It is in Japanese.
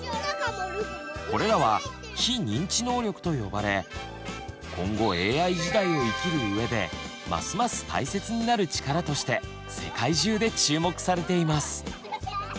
これらは「非認知能力」と呼ばれ今後ＡＩ時代を生きる上でますます大切になる力として世界中で注目されています。